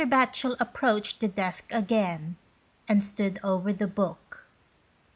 Batchel approached the desk again and stood over the book.